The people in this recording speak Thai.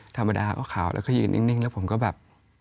ธรรมดาขาวแล้วก็ยืนนิ่งแล้วผมก็แบบ